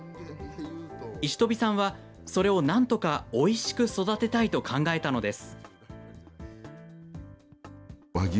石飛さんは、それをなんとかおいしく育てたいと考えたのです。